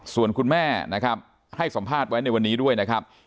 ส่วนคุณแม่นะครับให้สัมภาษณ์ไว้ในวันนี้ด้วยนะครับ